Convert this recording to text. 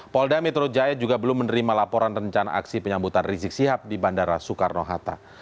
polda metro jaya juga belum menerima laporan rencana aksi penyambutan rizik sihab di bandara soekarno hatta